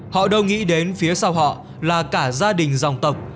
họ đâu nghĩ đến phía sau họ là cả gia đình dòng tộc